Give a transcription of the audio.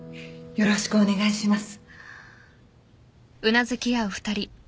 よろしくお願いします。